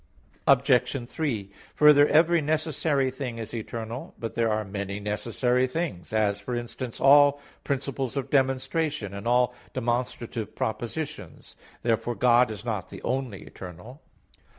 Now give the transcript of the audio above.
Obj. 3: Further, every necessary thing is eternal. But there are many necessary things; as, for instance, all principles of demonstration and all demonstrative propositions. Therefore God is not the only eternal.